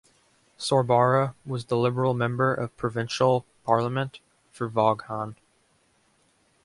Sorbara was the Liberal Member of Provincial Parliament for Vaughan.